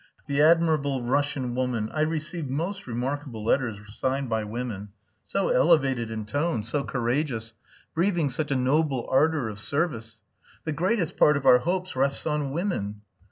The admirable Russian woman! I receive most remarkable letters signed by women. So elevated in tone, so courageous, breathing such a noble ardour of service! The greatest part of our hopes rests on women.